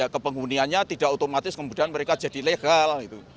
kepenghuniannya tidak otomatis kemudian mereka jadi legal